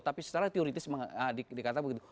tapi secara teoritis dikata begitu